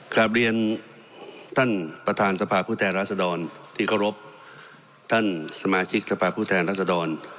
กลับเรียนท่านประธานสภาพผู้แทนรัศดรที่เคารพท่านสมาชิกสภาพผู้แทนรัศดร